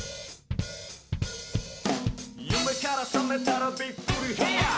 「夢からさめたらびっくりヘアー」